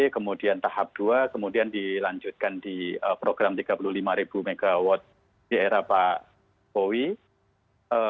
kemudian tahap dua kemudian dilanjutkan di program tiga puluh lima mw di era pak jokowi